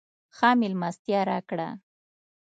ښه مېلمستیا راکړه.